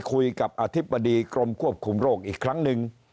คุยกับอธิบดีกรมควบคุมโรคอีกครั้งนึง